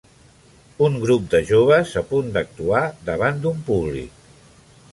un grup de joves a punt d'actuar davant d'un públic.